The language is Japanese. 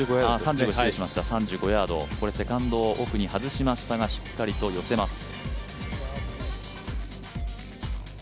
セカンドをオフに外しましたが、しっかりと寄せます。